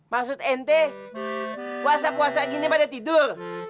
maksud ente kuasa kuasa gini pada tidur